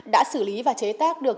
đã xử lý và chế tác được